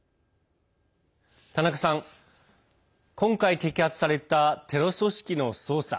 田中さん今回摘発されたテロ組織の捜査